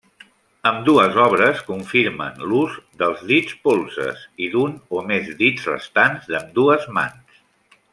Ambdues obres confirmen l'ús dels dits polzes i d'un o més dits restants d'ambdues mans.